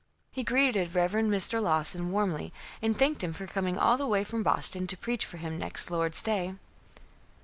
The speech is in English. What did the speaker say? He greeted Reverend Mr. Lawson warmly and thanked him for coming all the way from Boston to preach for him next Lord's Day.